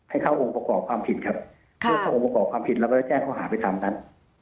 ให้เข้าองค์ประกอบความผิดครับเพื่อเข้าองค์ประกอบความผิดแล้วก็จะแจ้งข้อหาไปตามนั้น